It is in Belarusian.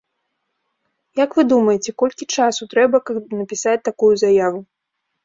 Як вы думаеце, колькі часу трэба, каб напісаць такую заяву?